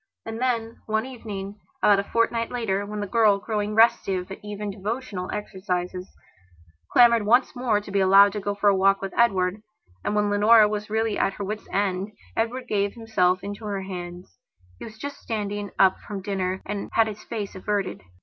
And then, one evening, about a fortnight later, when the girl, growing restive at even devotional exercises, clamoured once more to be allowed to go for a walk with Edward, and when Leonora was really at her wits' end, Edward gave himself into her hands. He was just standing up from dinner and had his face averted.